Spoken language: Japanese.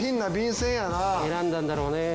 選んだんだろうね。